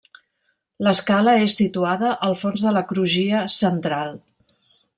L'escala és situada al fons de la crugia central.